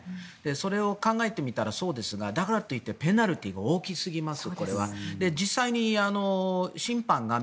それを考えてみたらそうですがだからといってペナルティーが大きすぎます